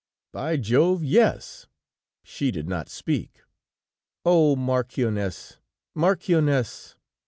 '" "By Jove, yes! She did not speak. Oh, marchioness! marchioness!